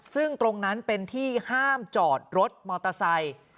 ซึ่งตรงนั้นเป็นที่ห้ามจอดรถมอเตอร์ไซค์